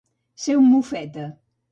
Ser un mofeta.